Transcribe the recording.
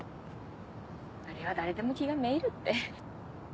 あれは誰でも気が滅入るって。